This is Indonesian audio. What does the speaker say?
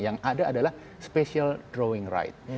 yang ada adalah special drawing right